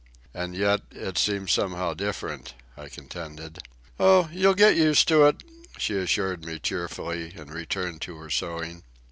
"And yet, it seems somehow different," I contended. "Oh, you'll get used to it," she assured me cheerfully, and returned to her sewing.